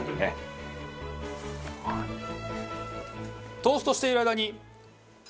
トーストしている間に。